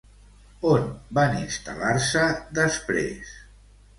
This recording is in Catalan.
On van instal·lar-se després?